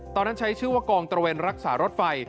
ใช้ชื่อว่ากองตระเวนรักษารถไฟ